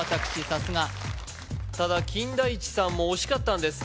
さすがただ金田一さんも惜しかったんです